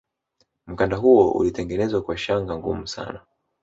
mkanda huo ulitengenezwa kwa shanga ngumu sana